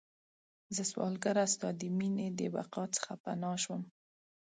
زه سوالګره ستا د میینې، د بقا څخه پناه شوم